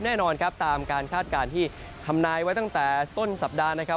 แน่นอนครับตามการคาดการณ์ที่ทำนายไว้ตั้งแต่ต้นสัปดาห์นะครับ